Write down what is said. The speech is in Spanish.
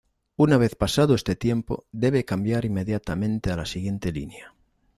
Una vez pasado este tiempo, debe cambiar inmediatamente a la siguiente línea.